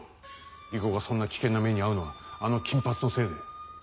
理子がそんな危険な目に遭うのはあの金髪のせいで。